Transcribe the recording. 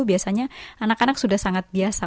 biasanya anak anak sudah sangat biasa